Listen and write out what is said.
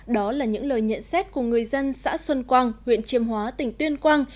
đó là những lời nhận xét của người dân xã xuân quang huyện chiêm hóa tỉnh tuyên quang